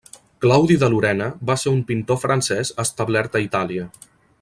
Claudi de Lorena va ser un pintor francès establert a Itàlia.